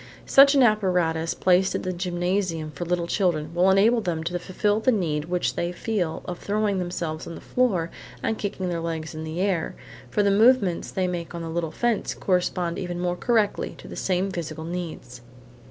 Such an apparatus placed in the gymnasium for little children, will enable them to fulfil the need which they feel of throwing themselves on the floor and kicking their legs in the air; for the movements they make on the little fence correspond even more correctly to the same physical needs.